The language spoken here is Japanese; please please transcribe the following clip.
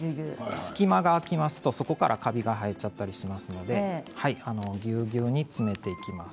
隙間が空きますとそこからカビが生えちゃったりしますのでぎゅうぎゅうに詰めていきます。